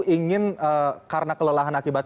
ingin karena kelelahan akibat